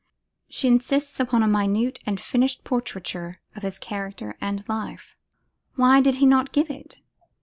She insists upon a minute and finished portraiture of his character and life. Why did he not give it?